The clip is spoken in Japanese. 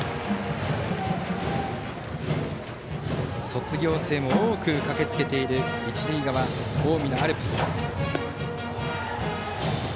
卒業生も多く駆けつけている一塁側、近江のアルプス。